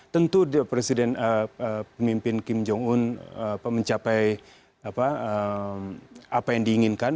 tentu presiden pemimpin kim jong un mencapai apa yang diinginkan